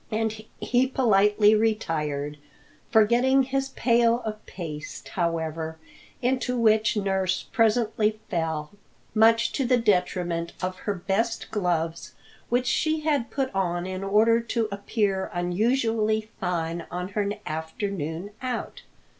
And he politely retired, forgetting his pail of paste, however, into which nurse presently fell, much to the detriment of her best gloves which she had put on in order to appear unusually fine on her afternoon out.